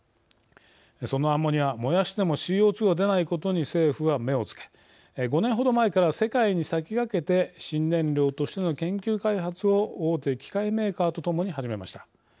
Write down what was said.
そのアンモニア燃やしてもＣＯ２が出ないことに政府は目をつけ５年ほど前から世界に先駆けて新燃料としての研究開発を大手機械メーカーとともに始めました。